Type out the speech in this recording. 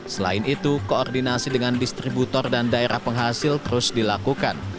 selain itu koordinasi dengan distributor dan daerah penghasil terus dilakukan